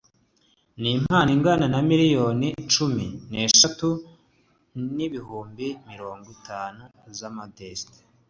n impano ingana na miliyoni cumi n eshatu n ibihumbi mirongo itanu z amadetesi